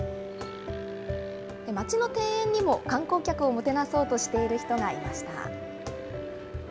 町の庭園にも、観光客をもてなそうとしている人がいました。